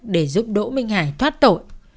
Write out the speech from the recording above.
để giúp đỗ minh hải thoát tội